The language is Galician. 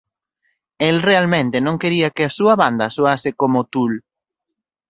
El realmente non quería que a súa banda soase como Tool.